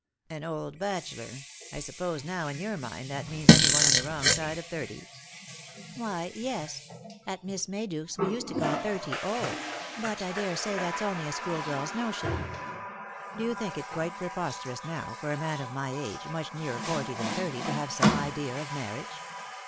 "An old bachelor! I suppose, now, in your mind that means any one on the wrong side of thirty ?"" Why, yes ; at Miss Mayduke's we used to call thirty old ; but I daresay that's only a schoolgirl's notion." " Do you think it quite preposterous, now, for a man of my age, much nearer forty than thirty, to have some idea of marriage